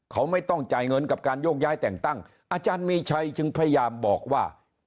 เขาไม่ต้องจ่ายเงินกับการโยกย้ายแต่งตั้งอาจารย์มีชัยจึงพยายามบอกว่า